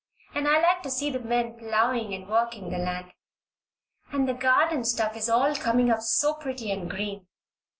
And I like to see the men ploughing and working the land. And the garden stuff is all coming up so pretty and green."